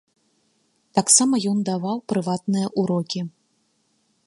Таксама ён даваў прыватныя ўрокі.